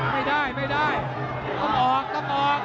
ไม่ได้ไม่ได้ต้องออกต้องออก